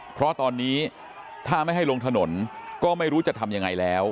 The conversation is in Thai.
เพราะตอนนี้ถ้าไม่ให้ลงถนนก็ไม่รู้จะทำยังไงแล้ว